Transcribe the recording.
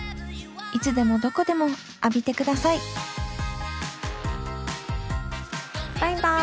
いつでもどこでも浴びてくださいバイバイ。